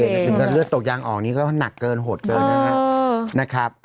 ถึงกับเลือดตกยางออกนี่ก็หนักเกินหดเกินนะครับ